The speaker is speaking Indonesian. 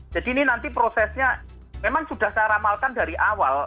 jadi ini nanti prosesnya memang sudah saya ramalkan dari awal